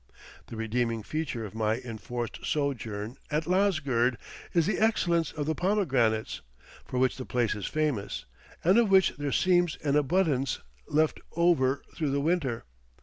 The redeeming feature of my enforced sojourn at Lasgird is the excellence of the pomegranates, for which the place is famous, and of which there seems an abundance left over through the winter.